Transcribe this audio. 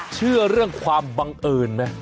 เชื่อเรื่องความบังเอิญไหม